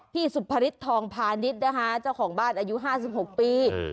พี่สุภฤษทองพาณิชย์นะคะเจ้าของบ้านอายุ๕๖ปี